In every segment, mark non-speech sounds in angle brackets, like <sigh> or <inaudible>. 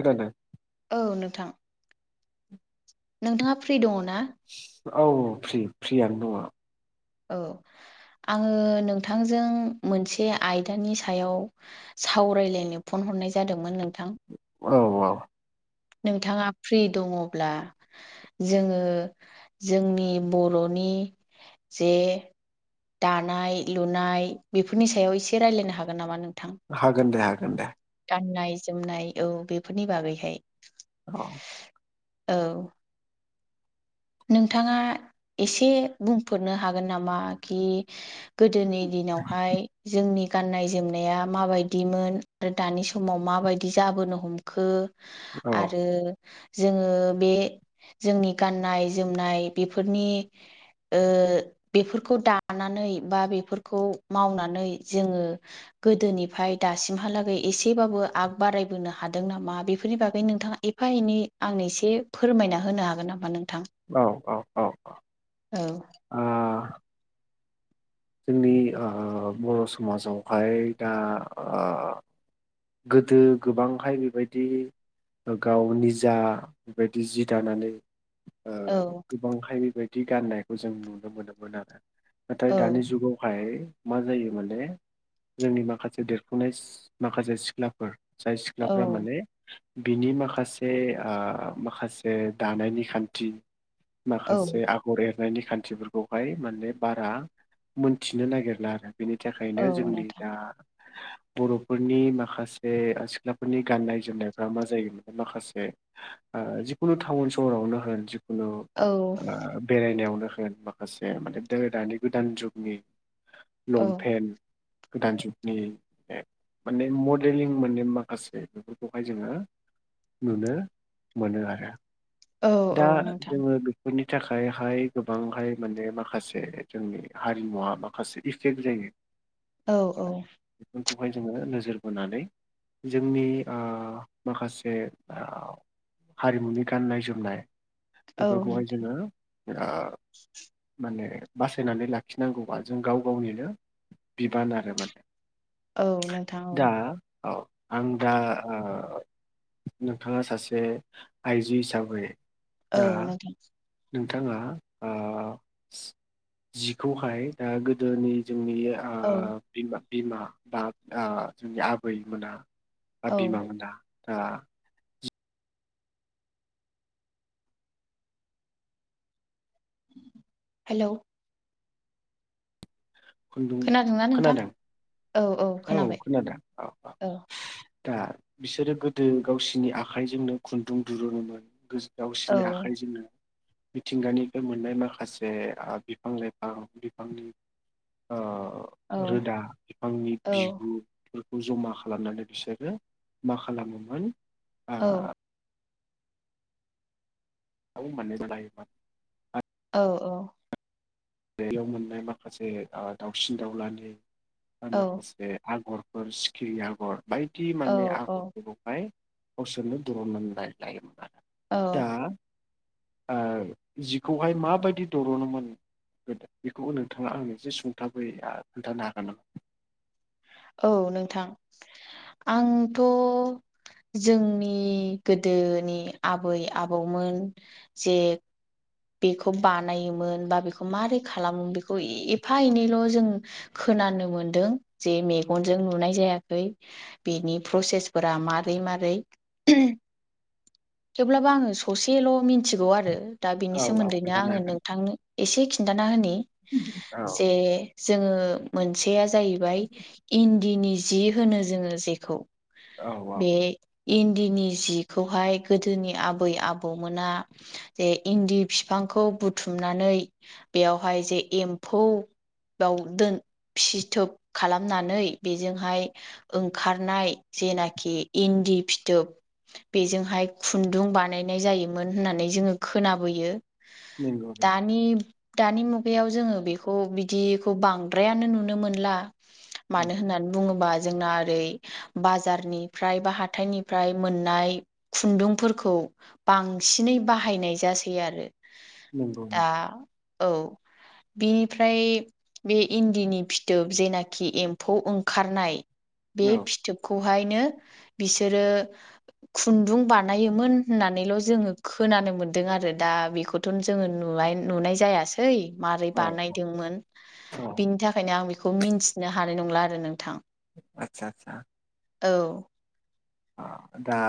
खोनादों। औ नोंथां। <inaudible> नोंथाङा फ्रि दङना? औ फ्रि फ्रियानो दङ। औ आङो नोंथांजों मोनसे आयदानि सायाव सावरायलायनो फन हरनाय जादोंमोन नोंथां। औ औ। नोंथाङा फ्रि दङब्ला जोङो जोंनि बर नि जे दानाय लुनाय बेफोरनि सायाव एसे रायलायनो हागोन नामा नों हागोन दे हागोन दे। गाननाय जोमनाय औ बेफोरनि बागैहाय। औ। औ। नोंथाङा एसे बुंफोरनो हागोन नामा कि? गोदोनि दिनावहाय जोंनि गाननाय जोमनाया मा बायदिमोन आरो दानि समाव माबायदि जाबोनो हमखो। औ आरो जोङो बे जोंनि गाननाय जोमनाय बेफोरनि ओ बेफोरखौ दानानै बा बेफोरखौ मावनानै जोङो गोदोनिफ्राय दासिमहालागै एसेबाबो आग बारायबोनो हादों नामा बेफोरनि बागै नोंथाङा ए एफा एनै आंनो एसे फोरमायना होनो हागोन नामा नोंथां? औ औ औ औ औ ओ जोंनि ओ बर' समाजावहाय दा ओ गोदो गोबांहाय बेबायदि गाव निजा बायदि जि दानानै ओ औ गोबांहाय बेबायदि गाननायखौ जों नुनो मोनोमोन आरो ना दानि औ जुगावहाय मा जायो माने जोंनि माखासे देरफुनाय माखासे सिख्लाफोर जाय सिख्लाफ्रा औ माने बिनि माखासे ओ माखासे दानायनि खान्थि औ माखासे आगर एरनायनि खान्थिफोरखौहाय माने बारा मोनथिनो नागिरला आरो बेनि औ थाखायनो जोंनि नोंथां दा बर'फोरनि माखासे सिख्लाफोरनि गाननाय जोमनायफ्रा मा जायो माखासे ओ जिखुनु टाउन सहरावनो होन खुनु औ ओ बेरायनायावनो होन माखासे माने दो दानि गोदान जुगनि औ लंपेन गोदान जुगनि माने मडेलिं मोने माखासे बेफोरखौहाय जोङो नुनो मोनो आरो औ दा औ नोंथां जोङो बेफोरनि थाखायहाय गोबांहाय माने माखासे जोंनि हारिमुवा माखासे इफेक्ट जायो। औ औ बेखौहाय जोङो नोजोर बोनानै जोंनि ओ माखासे ओ हारिमुनि गाननाय जोम नाय औ बेफोरखौहाय नोंथां जोङो बिराद माने बासायनानै लाखिनांगौबा जों गाव गावनिनो बिबान आरो माने। औ नोंथां दा ओ आं दा ओ नोंथाङा सासे आइजो हिसाबै औ दा नोंथां। नोंथाङा ओ जिखौहाय ओ गोदोनि जोंनि ओ औ बिमा बिमा बा ओ जोंनि आबैमोना आ औ बिमामोना ओ हेलौ। खुन्दुं खोनादोंना नोंथां खोनादों औ औ खोनाबाय खोनादों औ औ। दा बिसोरो गोदो गावसोरनि आखाइजोंनो खुन्दुं दुरुननोमोन औ गावसोरनि आखाइजोंनो मिथिंगानिफ्राय मोननाय माखासे ओ बिफां लाइफां बिफांनि ओ औ रोदा बिफांनि औ बिगुर फोरखौ जमा खालामनानै बिसोरो मा खालामोमोन ओ औ <unintelligible> औ ओ। बेयाव मोननाय माखासे ओ दाउसिन दावलानि बा औ माखासे आगर गर सिखिरि आगर बायदि माने औ आगरफोरखौफोरखौहाय गावसोरनो दुहुननानै <unintelligible> दा औ ओ जिखौहाय माबायदि दिर'नोमोन गोदो बेखौबो नोंथाङा आंनो एसे सुंथाबै आ खोन्थानो हागोन नामा? औ नोंथां आंथ' जोंनि गोदोनि आबै आबौमोन जे बेखौ बानायोमोन बा बेखौ माबारै खालामो बेखौ एफा एनैल' जों खोनानो मोनदों जे मेगनजों नुनाय जायाखै बेनि प्रसेसफोरा मारै मा रै थेवब्लाबो आङो ससेल' मिथिगौ आरो दा बिनि औ औ सोमोन्दैनो खोन्थानो आङो हागोन। नोंथांनो एसे खिन्थाना होनि जे औ जोङो मोनसेया जाहैबाय इन्दिनि जि होनो जोङो जेखौ औ औ बे इन्दिनि जिखौहाय गोदोनि आबै आबौमोना जे इन्दि बिफांखौ बुथुमनानै बेयावहाय जे एम्फौ बावदोन फिथोब खालामनानै बेजोंहाय ओंखारनाय जेनाखि इन दि फिथोब‌ बेजोंहाय खुन्दुं बानायनाय जायोमोन होननानै जोङो खोनाबोयो। नंगौ दानि दानि मु बेयाव जोङो बेखौ बिदिखौ बांद्रायानो नुनो मोनला नंगौ मानो होननानै बुङोबा जोंना ओरै बाजारनिफ्राय बा हाथाइनिफ्राय मोननाय खुन्दुंफोरखौ बांसिनै बाहायनाय जासै आरो नंगौ दा औ। <inaudible> बिनिफ्राय बे इन्दिनि फिथोब जेनाखि एम्फौ ओंखारनाय बे नंगौ औ फिथोबखौ बेहायनो बिसो खुन्दुं बानायोमोननानैल' जोङो खोना नानो मोन्दों आरो दा बेखौथ' जोङो नुाय नुनाय जायासै मारोरै औ बानायदोंमोन। औ बिनि थाखायनो आं बेखौ मिथिनो हानाय नंला आरो नोंथां। आतसा आस्सा। औ। दा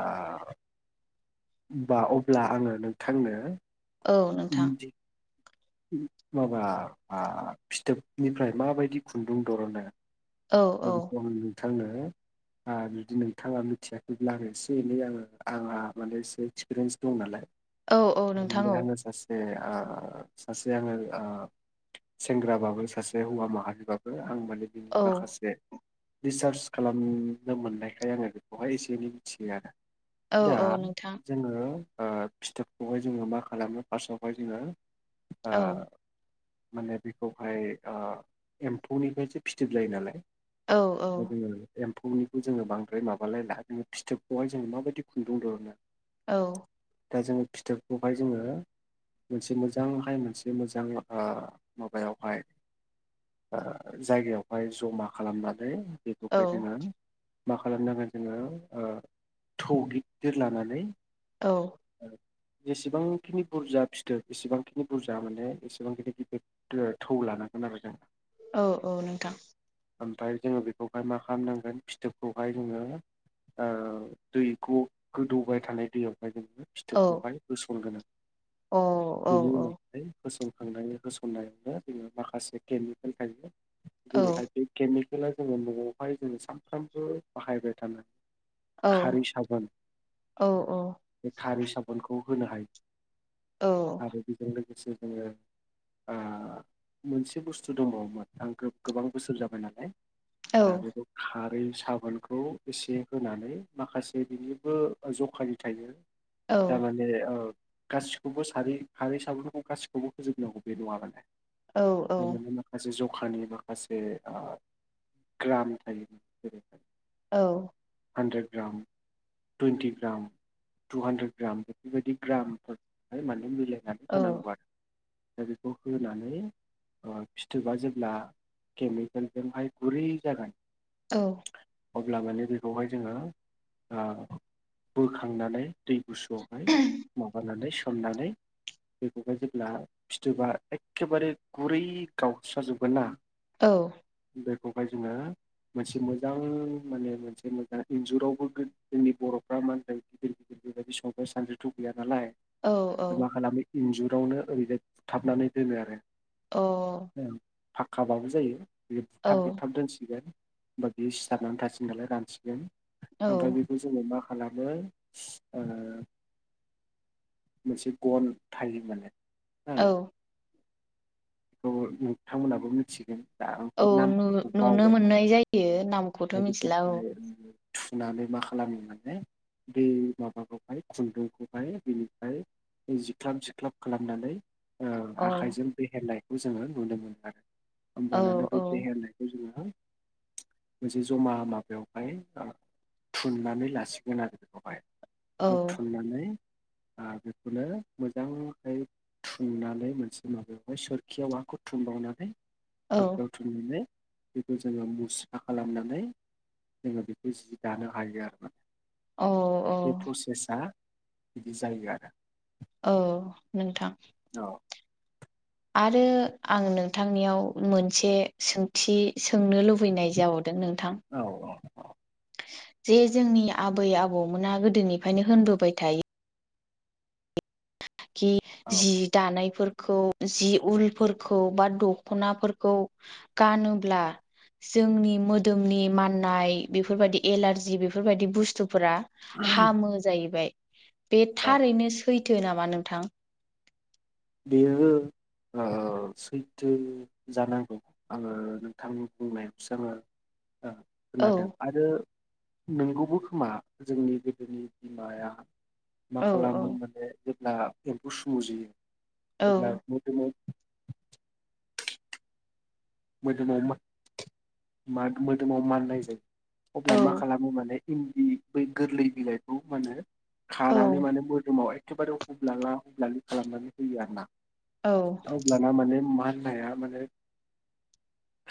आ बा अब्ला आङो नोंथांनो औ नोंथां। इन्दि माबा आं फिथोबनिफ्राय माबायदि खुन्दुं बरनो? औ <inaudible> औ नोंथांनो जुदि नोंथाङा मिथियाखैब्ला आरो एसे एनै आङो आंहा माने एसे एक्सपिरियेन्स दं नालाय। औ औ नोंथां औ दानो ससे ओ सासे आङो सेंग्राबाबो सासे हौवा माहारिबाबो आं माने दिननि औ माखासे रिसार्ज खालामनो मोननायखाय आङो बेखौहाय एसे एनै मिथियो आरो औ दा औ नोंथां जोङो ओ फिथोबखौहाय जोङो मा खालामो फार्स्टआवहाय जोङो ओ औ औ माने बेखौहाय ओ एम्फौनिफ्रायसो फिदोब जायो नालाय <unintelligible> औ बेनि जोंङो बांद्राय माबालाय ला जोङो फिथोबखौहाय जोङो माबायदिुन्दुं दिहुनो। औ। दा जोङो फिथोबखौहाय जोङो मोनसे मोजांहाय मोनसे मोजां माबायावहाय ओ जायगायावहाय जमा खालामनानै बेखौहाय जोङो मा खालामनांगोन जोङो ओ थौ गिदिर लानानै औ। जेसेबांखिनि बुरजा फिथोब एसेबांखिनि बुरजा माने एसेबांखिनि गिदिर थौ लानांगौ। <unintelligible> औ औ नोंथां ओमफ्राय जोङो बेखौहाय मा खालामनांगोन फिथोबखौहाय जोङो ओ दैखौ गोदौबाय थानाय दैयावहाय जोङो औ फिथोबखौहाय होसनगोन। औ औ औ। होसनखांनायनि होसननायावनो जोङो माखासे गेमनि थाखायनो जेरैहाय बे केमिकेला जोङो न'आवहाय जोङो सानफ्रामबो बाहायबाय थानो औ हो खारै साबोन औ बे खारै साबोनखौ होनो हायो। आरो बेजों लोगोसे आङो ओ मोनसे बुस्थु दङमोन आं गोबां बोसोर जाबाय। नालाय औ अ <unintelligible> बै साबोनखौ एसे होनानै माखासे बिनिबो जखानि थायो। थारमाने औ। गासिखौबो सार सारै साब्रफोरखौ गासिखौबो होजोबनांगौ बे नङा माने। औ जे माने माखासे जखानि माखासे अ ग्राम थायो जेरैहाय औ hundred gram twenty gram two hundred gram बेफोरबायदि ग्रामफोरा माने मिलाय नानै होनांगौ आर दा बेखौ होनानै अ फिथोबा जेब्ला केमिक केलजोंहाय गुरै जागोन औ अब्ला माने बेखौहाय जोङो आ बोखांनानै दै गुसुआवहाय माबानानै सोमनानै बेखौहाय जेब्ला फिथोबा एखेबारे गुरै गावस्राजोबगोन ना औ बेखौहाय जोङो मोनसे मोजां माने मोनसे मोजां इन्जुरावबो गो जोंनि बर'फ्रा मानदों गिदिर गिदिर बेबायदि संग्राय सान्द्रि थ गैया नालाय मा खालामो इन्जुरावनो ओरैजाय बुथाबनानै दोनो आरो अ फाखकाबाबो जायो बे बुथाब बुथाब दोनसिगोन होमबा बेयो सिथारनानै थासिगोन नालाय रानसिगोन ओमफ्राय बेखौ जोङो मा खालामो अ मोनसे गन थायो माने हो औ बेखौ नोंथांमोनहाबो मिथिगोन दा औ नामफोरखौ नुनो बावबायमोन मोननाय जायो नामखौथ' दा मिथिला औ बेखौहाय थुनानै मा खालामो माने बे माबाखौहाय खुन्दुंखौहाय बिनिफ्राय जिख्लाब जिख्लाब खालामनानै अ औ आखाइजों देहेरनायखौ जोङो नुनो मोनो आरो औ होमबानानो औ बे देहेरनायखौ जोङो <inaudible> मोनसे जमा माबायावहाय आ थुननानै लासिगोन आरो बेखौहाय औ बुथुमनानै अ बेखौनो मोजाङैहाय थुननानै मोनसे माबायावहाय सोर खेवाखौ थुमबावनानै औ सोरखायाव थुमनानै बेखौ जोङो मुस्रा खालामनानै जोङो बेखौ जि दानो हायो आरोना औ औ बे प्रसेसा बिदि जायो आरो औ नोंथां आरो आं नोंथांनियाव मोनसे सोंथि सोंनो लुबै फैनाय जाबावदों नोंथां औ औ जे जोंनि आबै आबौमोना गोदोनिफ्रायनो होनबोबाय थायो कि औ जि दानायफोर खौ जि उलफोरखौ बा दख'नाफोरखौ गानोब्ला जोंनि मोदोमनि माननाय बेफोरबायदि एलारजि बेफोरबायदि बुस्थु फोरा हामो जाहैबाय। बे औ थारैनो सैथो नामा नोंथां? बेयो ओ अ सैथो जानांगौ आङो नोंथांनि बुंनायावसो आङो आ औ खोनादों। आरो नोगौबो खोमा जोंनि गोदोनि बिमाया मा औ औ खालामो माने जेब्ला एम्फौ सुमु जोयो औ आब्ला मोदोमाव मोदोमाव मा मोदोमाव माननाय जायो अब्ला औ मा खालामो माने इन्दि बै गोरलै बिलाइखौ माने खानानै औ माने मोदोमाव एखेबारे हुब्लाला-हुब्लालि खालामनानै होयो आर ना, औ अब्लाना माने मान नाया माने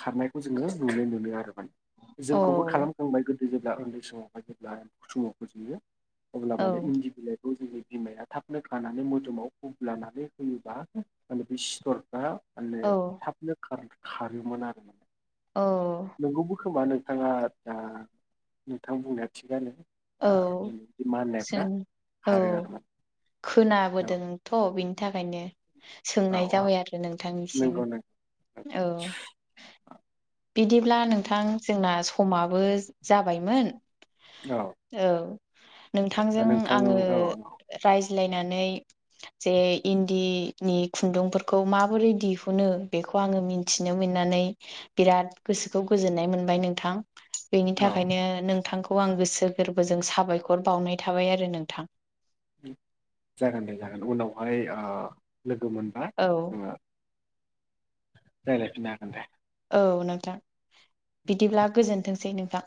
खारनायखौ जोङो नुनो मोनो आरो। औ जोंखौबो खालामखांबाय गोदो जेब्ला उन्दै समावहाय जेब्ला फुथुमाव फजयो अब्ला माने औ इन्दि बिलाइ <inaudible> थाबनो खानानै मोदोमाव हुब्लानानै होयोबा उम माने बे सिथरफ्रा माने औ थाबनो खार खारोमोन आरो। औ नोंगौबो खोमा नोंथांङा दा नोंथां बुंनाया थिगानो। ओ औ बै माननायफ्रा जों औ खारो आरो मा। खोनाबोदोंथ' बिनि थाखायनो औ सोंनाय औ जाबाय आरो नोंथांनिसिम। नंगौ नंगौ औ। बिदिब्ला नोंथां जोंना समाबो जाबायमोन, औ नोंथांजों नोंथां आंङो औ रायजो मिलायनानै जे इन्दि नि खुन्दुंफोरखौ माबोरै दिहुनो बे खौ आंङो मिनथिनो मोननानै बिराद गोसोखौ गोजोननाय मोनबाय नोंथां। बेनि औ थाखायनो नोंथांखौ आं गोसो गोरबोजों साबायखर बावनाय थाबाय आरो नोंथां। जागोन दे जागोन उनावहाय ओ लोगो मोनबा औ जोङो रायलायफिन्नो हागोन दे। औ नोंथां बिदिब्ला गोजोनथोंसै नोंथां।